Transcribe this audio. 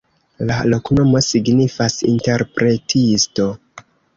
La loknomo signifas: interpretisto.